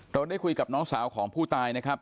เราได้คุยกับน้องสาวของผู้ตายนะครับ